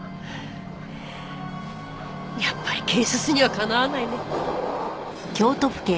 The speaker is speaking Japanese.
やっぱり警察にはかなわないね。